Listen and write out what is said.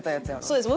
そうです。